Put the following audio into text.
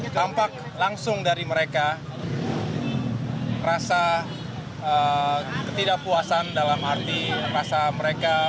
tampak langsung dari mereka rasa ketidakpuasan dalam arti rasa mereka